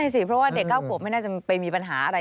ใช่สิเพราะว่าเด็ก๙ขวบไม่น่าจะไปมีปัญหาอะไร